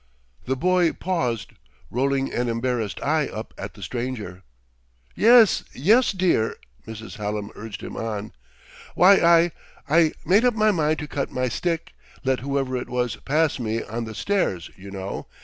The boy paused, rolling an embarrassed eye up at the stranger. "Yes, yes, dear!" Mrs. Hallam urged him on. "Why, I I made up my mind to cut my stick let whoever it was pass me on the stairs, you know.